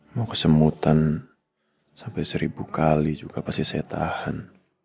mau kesemutan sampai seribu kali juga pasti saya tahan